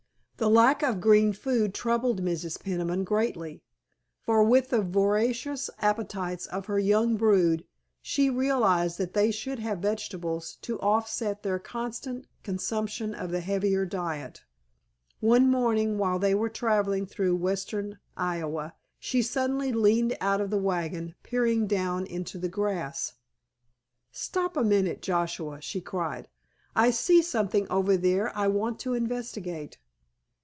The lack of green food troubled Mrs. Peniman greatly, for with the voracious appetites of her young brood she realized that they should have vegetables to offset their constant consumption of the heavier diet. One morning while they were traveling through western Iowa she suddenly leaned out of the wagon peering down into the grass. "Stop a minute, Joshua," she cried, "I see something over there I want to investigate.